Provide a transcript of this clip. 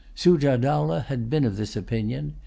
Sujah Dowlah had been of this opinion.